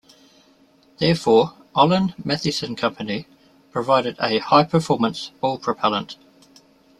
Therefore, Olin Mathieson Company provided a high-performance ball propellant.